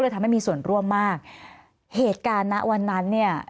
ทำให้มีส่วนร่วมมากเหตุการณ์นะวันนั้นเนี่ย